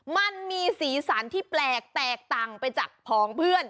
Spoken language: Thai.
มันมีสีสันที่แปลกแตกต่างไปจากผองเพื่อน